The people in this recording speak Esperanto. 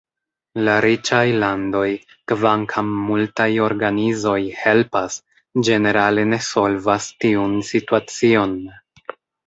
La riĉaj landoj, kvankam multaj organizoj helpas, ĝenerale ne solvas tiun situacion.